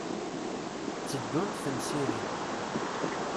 Tteddunt temsirin.